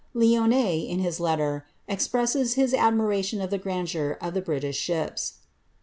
Lionne, in this letter, expresses his admiration of the grandeur of the British ships.